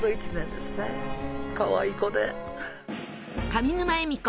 上沼恵美子